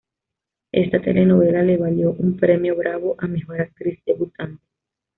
Esta telenovela le valió un Premio Bravo a mejor actriz debutante.